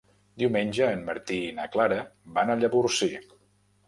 Diumenge en Martí i na Clara van a Llavorsí.